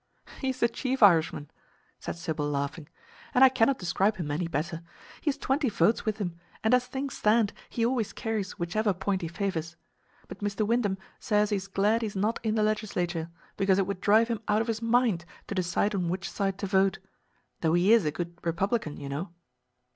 "He is the chief Irishman," said Sybil laughing, "and I cannot describe him any better. He has twenty votes with him, and as things stand he always carries whichever point he favors. But Mr. Wyndham says he is glad he is not in the Legislature, because it would drive him out of his mind to decide on which side to vote though he is a good Republican, you know."